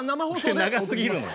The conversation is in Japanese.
長すぎるのよ。